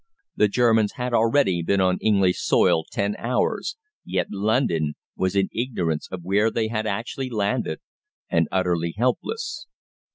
The Germans had already been on English soil ten hours, yet London was in ignorance of where they had actually landed, and utterly helpless.